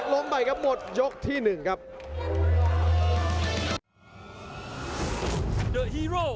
โหโหโหโหโหโหโหโหโหโหโหโหโห